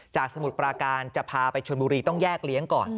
สมุทรปราการจะพาไปชนบุรีต้องแยกเลี้ยงก่อน